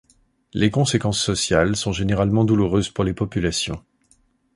Les conséquences sociales sont généralement douloureuses pour les populations.